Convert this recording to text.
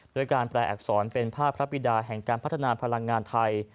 ด้วยการแปลอักษรเป็นภาพพระบิดาแห่งการพัฒนาพลังงานไทย